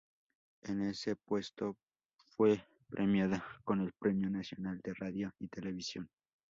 En ese puesto fue premiada con el Premio Nacional de Radio y Televisión.